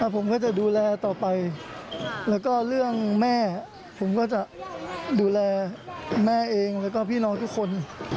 ผมก็จะดูแลต่อไปแล้วก็เรื่องแม่ผมก็จะดูแลแม่เองแล้วก็พี่น้องทุกคน